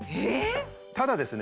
ただですね